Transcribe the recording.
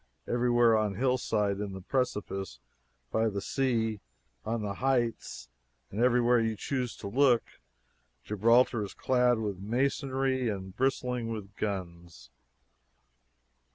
Everywhere on hillside, in the precipice, by the sea, on the heights everywhere you choose to look, Gibraltar is clad with masonry and bristling with guns.